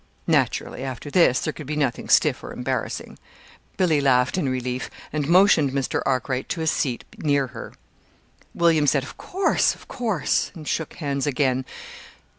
Naturally, after this, there could be nothing stiff or embarrassing. Billy laughed in relief, and motioned Mr. Arkwright to a seat near her. William said "Of course, of course!" and shook hands again.